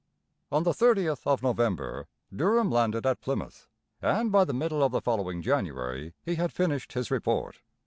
On the thirtieth of November Durham landed at Plymouth, and by the middle of the following January he had finished his Report.